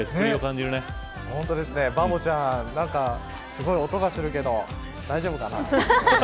バボちゃん、なんかすごい音がするけど大丈夫かな。